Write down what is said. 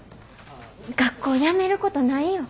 学校やめることないよ。